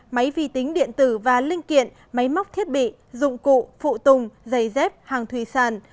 máy vi tính điện tử và linh kiện máy móc thiết bị dụng cụ phụ tùng giày dép hàng thủy sàn